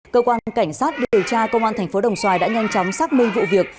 cơ quan cảnh sát điều tra công an thành phố đồng xoài đã nhanh chóng xác minh vụ việc